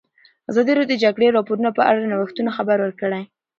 ازادي راډیو د د جګړې راپورونه په اړه د نوښتونو خبر ورکړی.